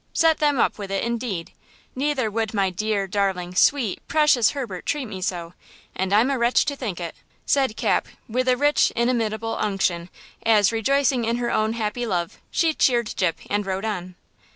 Set them up with it, indeed! Neither would my dear, darling, sweet, precious Herbert treat me so, and I'm a wretch to think of it!" said Cap, with a rich inimitable unction as, rejoicing in her own happy love, she cheered Gyp and rode on.